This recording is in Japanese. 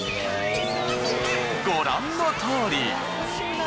ご覧のとおり。